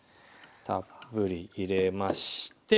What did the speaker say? たっぷり入れましてはい。